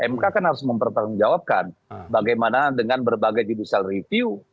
mk kan harus mempertanggungjawabkan bagaimana dengan berbagai judicial review